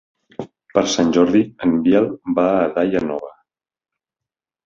Per Sant Jordi en Biel va a Daia Nova.